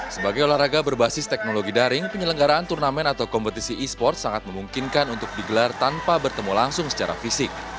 sebagai olahraga berbasis teknologi daring penyelenggaraan turnamen atau kompetisi e sports sangat memungkinkan untuk digelar tanpa bertemu langsung secara fisik